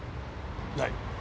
ない。